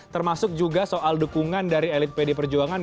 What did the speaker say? termasuk juga soal dukungan dari elit pd perjuangan